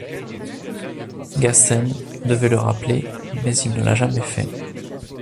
Gassen devait le rappeler mais il ne l'a jamais fait.